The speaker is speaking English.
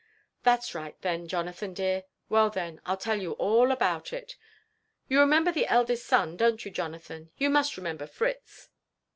'* Thai's right, then, Jonathan dear. Well, then, I'll tel* you all about it. You remember the eldest son, don't you, Jonathan ? you must iremember Fritz?